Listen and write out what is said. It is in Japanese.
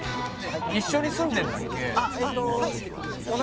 一緒に住んでるんだっけ？